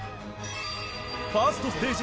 ファーストステージ